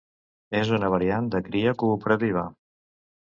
És una variant de cria cooperativa.